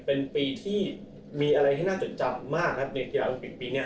เป็นปีที่มีอะไรที่น่าจดจำมากครับในกีฬาโอลิมปิกปีนี้